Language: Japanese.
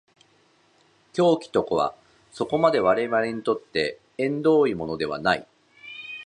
狂気とはそこまで我々にとって縁遠いものではない。